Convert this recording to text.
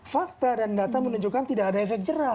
fakta dan data menunjukkan tidak ada efek jerah